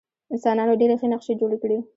انسانانو ډېرې ښې نقشې جوړې کړې.